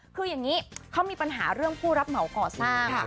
คืออย่างนี้เขามีปัญหาเรื่องผู้รับเหมาก่อสร้าง